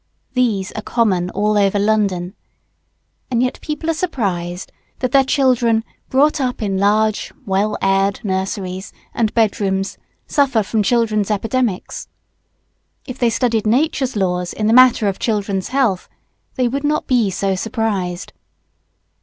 These are common all over London. And yet people are surprised that their children, brought up in large "well aired" nurseries and bed rooms suffer from children's epidemics. If they studied Nature's laws in the matter of children's health, they would not be so surprised.